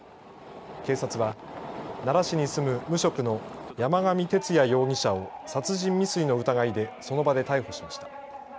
警察は、奈良市に住む無職の山上徹也容疑者を殺人未遂の疑いでその場で逮捕しました。